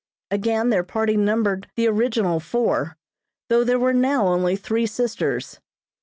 Again their party numbered the original four, though there were now only three sisters.